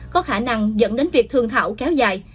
có khả năng dẫn đến việc thương thảo kéo dài